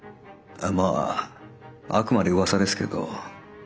まああくまで噂ですけど鵤